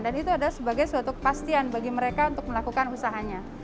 dan itu adalah sebagai suatu kepastian bagi mereka untuk melakukan usahanya